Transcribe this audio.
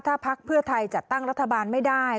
ถ้าพักเพื่อไทยจัดตั้งรัฐบาลไม่ได้